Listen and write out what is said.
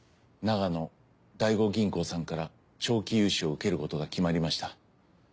長野第五銀行さんから長期融資を受けることが決まりました。